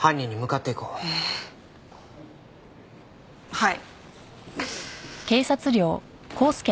はい。